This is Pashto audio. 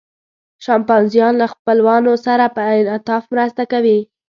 شامپانزیان له خپلوانو سره په انعطاف مرسته کوي.